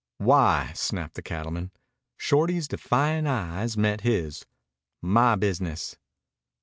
"Why?" snapped the cattleman. Shorty's defiant eyes met his. "My business."